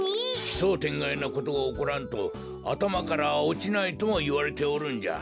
奇想天外なことがおこらんとあたまからおちないともいわれておるんじゃ。